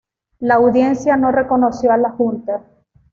La Audiencia no reconoció a la Junta.